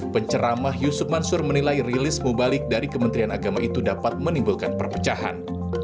penceramah yusuf mansur menilai rilis mubalik dari kementerian agama itu dapat menimbulkan perpecahan